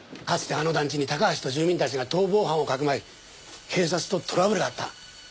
かつてあの団地にタカハシと住民たちが逃亡犯をかくまい警察とトラブルがあった。